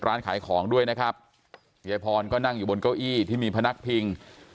ร้านขายของด้วยนะครับยายพรก็นั่งอยู่บนเก้าอี้ที่มีพนักพิง